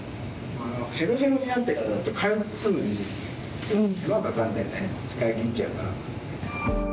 へろへろになってからだと、回復するのに時間かかるんだよね、使い切っちゃうから。